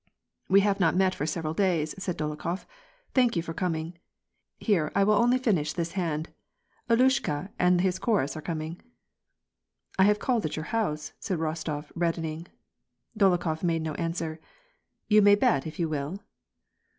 " We have not met for several days," said Dolokhof, " thank you for coming. Here I will only finish this hand. Ilyushka and his chorus are coming." " I have called at your house," said Rostof reddening. Dolokhof made him no answer. " You may bet if you will.''